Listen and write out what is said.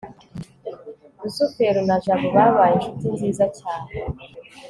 rusufero na jabo babaye inshuti nziza cy